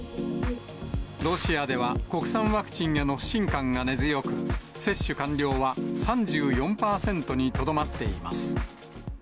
ロシアでは国産ワクチンへの不信感が根強く、接種完了は３４％にとどまっています。